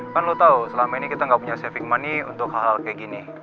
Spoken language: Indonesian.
kan lo tau selama ini kita nggak punya civic money untuk hal hal kayak gini